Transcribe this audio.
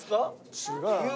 違う！